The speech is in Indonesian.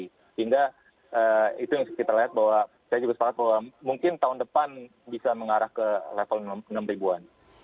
sehingga itu yang kita lihat bahwa saya juga sepakat bahwa mungkin tahun depan bisa mengarah ke level enam ribuan